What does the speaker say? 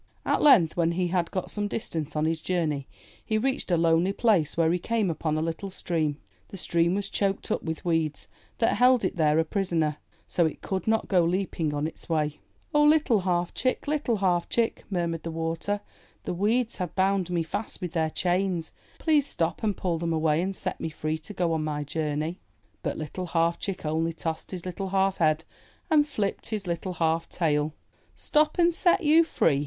At length, when he had got some distance on his journey, he reached a lonely place where he came upon a little Stream. The Stream was choked up with weeds, that held it there a prisoner, so it could not go leaping on its way. '^O, Little Half Chick, Little Half Chick," mur mured the Water, the weeds have bound me fast 306 IN THE NURSERY with their chains. Please stop and pull them away, and set me free to go on my journey/' But Little Half Chick only tossed his little half head and flipped his little half tail! *'Stop and set you free!'